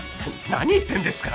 何言ってんですか？